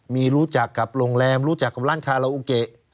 มีรู้จักกับโรงแรมรู้จักกับร้านคาราโอเกะ